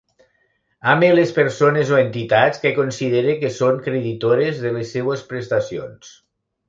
Ame les persones o entitats que considere que són creditores de les seues prestacions.